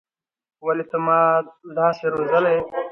ولې ته ما داسې روزلى يې.